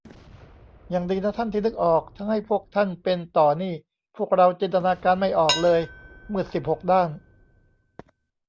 ยังดีนะท่าน ที่นึกออก ถ้าให้พวกท่านเป็นต่อนี่ พวกเราจินตนาการไม่ออกเลย มืดสิบหกด้าน